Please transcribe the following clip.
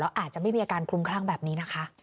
อาจจะไม่มีอาการคลุมคลั่งแบบนี้นะคะ